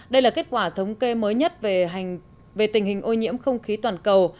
đây là kết quả thống kê mới nhất về tình hình ô nhiễm không khí toàn cầu